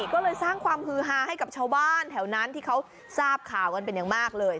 ก็เลยสร้างความฮือฮาให้กับชาวบ้านแถวนั้นที่เขาทราบข่าวกันเป็นอย่างมากเลย